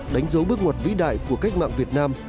đánh dấu bước ngoặt vĩ đại của cách mạng việt nam